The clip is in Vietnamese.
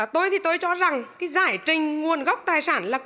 tôi thì tôi cho rằng cái giải trình nguồn gốc tài sản là